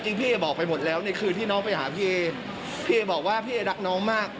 พี่เอบอกไปหมดแล้วในคืนที่น้องไปหาพี่เอพี่เอบอกว่าพี่เอรักน้องมาก